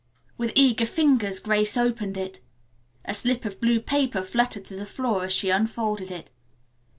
With eager fingers Grace opened it. A slip of blue paper fluttered to the floor as she unfolded it.